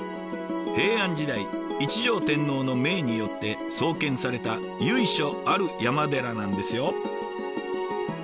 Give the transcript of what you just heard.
平安時代一条天皇の命によって創建された由緒ある山寺なんですよ。